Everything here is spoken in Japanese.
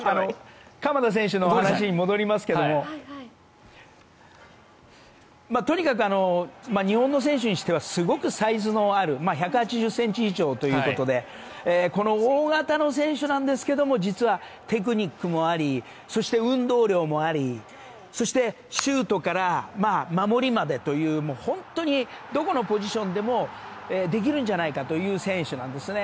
鎌田選手の話に戻りますけどもとにかく日本の選手にしてはすごくサイズのある１８０ｃｍ以上ということでこの大型の選手なんですけど実はテクニックもありそして運動量もありそしてシュートから守りまでという本当にどこのポジションでもできるんじゃないかという選手なんですね。